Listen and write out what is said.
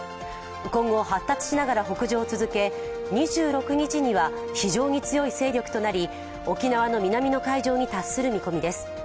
今後、発達しながら北上を続け２６日には非常に強い勢力となり沖縄の南の海上に達する見込みです。